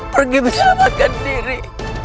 pergi berselamatkan diri